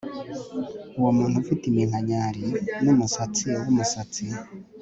Uwo muntu ufite iminkanyari n umusatsi wumusatsi